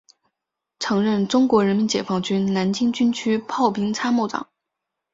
曾任中国人民解放军南京军区炮兵参谋长。